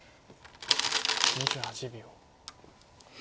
２８秒。